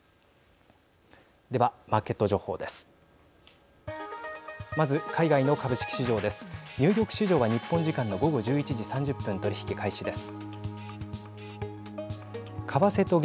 では、マーケット情報です。